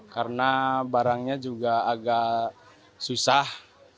karena barangnya juga agak susah